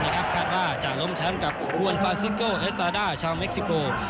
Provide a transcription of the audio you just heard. นั่นก็คืออารมันกรซาเลสให้ได้